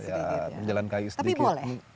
tapi boleh terbuka untuk publik